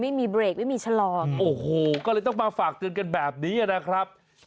ไม่มีเบรกไม่มีชะลอโอ้โหก็เลยต้องมาฝากเตือนกันแบบนี้นะครับ